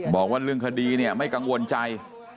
บอกว่าเรื่องคดีเนี่ยไม่กังวลใจ